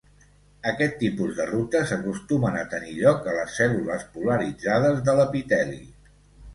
Aquest tipus de rutes acostumen a tenir lloc a les cèl·lules polaritzades de l’epiteli.